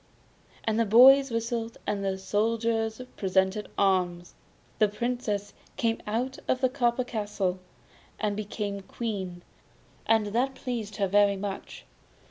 And the boys whistled and the soldiers presented arms. The Princess came out of the copper castle, and became Queen; and that pleased her very much.